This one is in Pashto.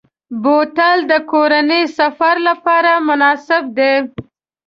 بوتل د کورنۍ سفر لپاره مناسب دی.